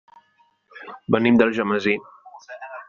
Venim d'Algemesí.